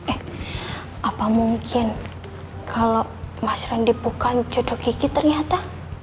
eh apa mungkin kalau mas randy bukan cucu kiki ternyata